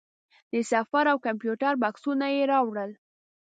د سفر او کمپیوټر بکسونه یې راوړل.